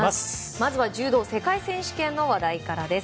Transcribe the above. まずは柔道世界選手権の話題です。